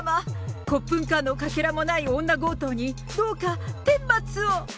コップンカーのかけらもない女強盗に、どうか天罰を。